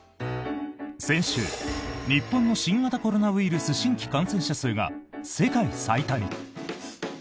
先週、日本の新型コロナウイルス新規感染者数が世界最多に。